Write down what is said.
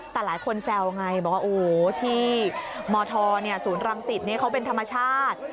แต่หลายคนแซวไงบอกว่าโอ้โหที่มธศูนย์รังสิตเขาเป็นธรรมชาติ